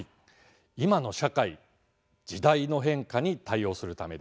今の社会、時代の変化に対応するためです。